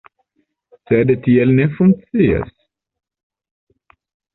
Sed tiel ne funkcias.